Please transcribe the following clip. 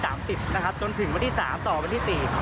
จนถึงวันที่๓ต่อวันที่๔